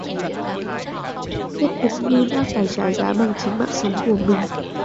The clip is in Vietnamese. Kết cục như đã phải trả giá bằng chính mạng sống của mình